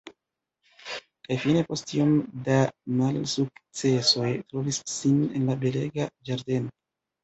Kaj fine —post tiom da malsukcesoj—trovis sin en la belega ĝardeno.